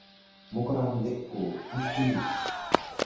Mograŋ leʼ go ɓi fuli.